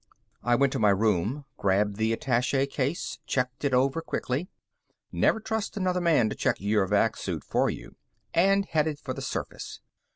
I went to my room, grabbed the attaché case, checked it over quickly never trust another man to check your vac suit for you and headed for the surface.